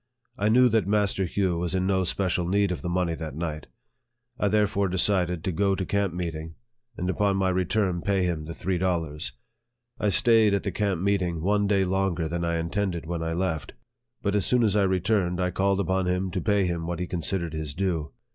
I knew that Master Hugh was in no special need of the money that night, I therefore decided to go to camp meeting, and upon my return pay him the three dollars. I staid at the camp meeting one day longer than I in LIFE OF FREDERICK DOUGLASS. 105 . tended when I left. But as soon as I returned, I called upon him to pay him what he considered his due.